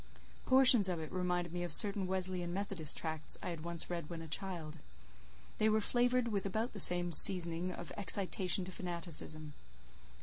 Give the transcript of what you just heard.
Portions of it reminded me of certain Wesleyan Methodist tracts I had once read when a child; they were flavoured with about the same seasoning of excitation to fanaticism.